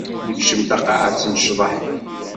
Nekcem taqaɛet n ccḍeḥ.